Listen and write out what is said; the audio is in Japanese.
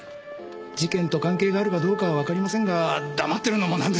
事件と関係があるかどうかはわかりませんが黙ってるのもなんですから。